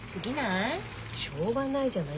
しょうがないじゃない。